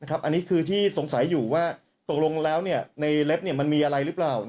อันนี้คือที่สงสัยอยู่ว่าตกลงแล้วในเล็บมันมีอะไรหรือเปล่า